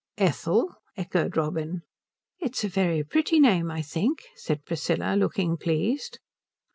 "Ethel?" echoed Robin. "It's a very pretty name, I think," said Priscilla, looking pleased.